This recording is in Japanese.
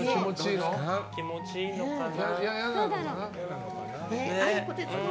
気持ちいいのかな？